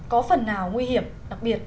có phần nào nguy hiểm đặc biệt